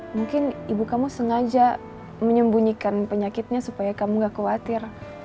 mungkin ibu kamu sengaja menyembunyikan penyakitnya supaya kamu gak khawatir